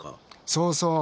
そうそう。